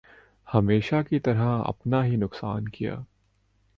ہمیشہ کی طرح اپنا ہی نقصان کیا ۔